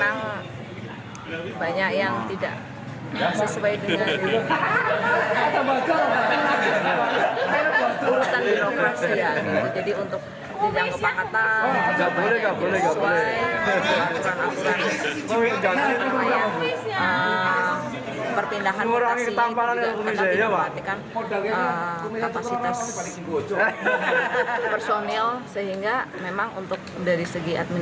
sehingga memang untuk dari segi administrasi ke pegawainya juga kurang bagus